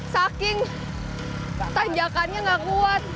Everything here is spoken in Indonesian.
saking tanjakannya gak kuat